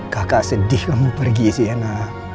kakak sedih kamu pergi sienna